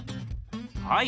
はい。